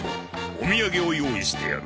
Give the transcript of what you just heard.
お土産を用意してある。